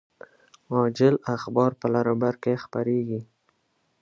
عاجل اخبار په لر او بر کې خپریږي